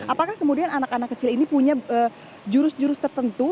apakah kemudian anak anak kecil ini punya jurus jurus tertentu